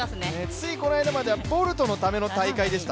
ついのこの間まではボルトのための大会でした。